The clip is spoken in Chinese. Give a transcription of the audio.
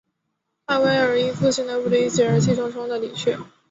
艾薇尔因父亲的不理解而气冲冲地离去。